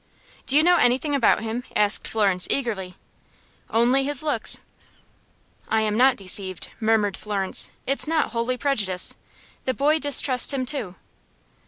"Do you know anything about him?" asked Florence, eagerly. "Only his looks." "I am not deceived," murmured Florence, "it's not wholly prejudice. The boy distrusts him, too.